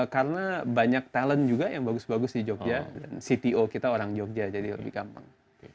karena banyak talent juga yang bagus bagus di jogja dan cto kita orang jogja jadi lebih gampang